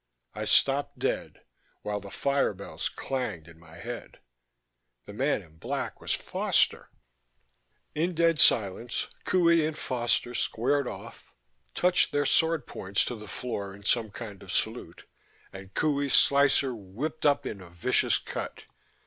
I stopped dead, while fire bells clanged in my head. The man in black was Foster. In dead silence Qohey and Foster squared off, touched their sword points to the floor in some kind of salute ... and Qohey's slicer whipped up in a vicious cut.